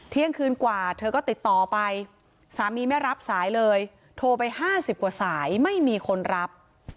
เที่ยงคืนกว่าเธอก็ติดต่อไปสามีไม่รับสายเลยโทรไป๕๐กว่าสายไม่มีคนรับ